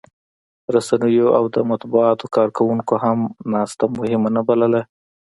رسنیو او د مطبوعاتو کارکوونکو هم ناسته مهمه نه بلله